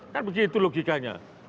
kan begitu logikanya